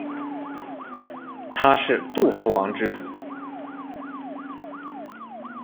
他是杜夫王之子。